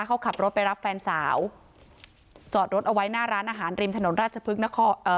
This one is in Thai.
เขาขับรถไปรับแฟนสาวจอดรถเอาไว้หน้าร้านอาหารริมถนนราชพฤกษ์นครเอ่อ